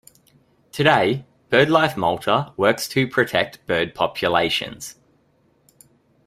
Today Birdlife Malta works to protect bird populations.